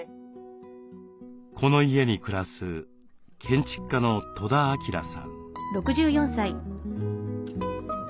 この家に暮らす建築家の戸田晃さん。